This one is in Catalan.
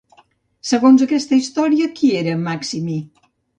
Segons aquesta història, qui era Maximí?